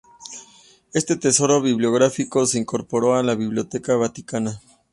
Este tesoro bibliográfico se incorporó a la Biblioteca Vaticana.